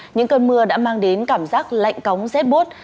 những cơn mưa đã mang đến cảm giác lạnh cống rét bốt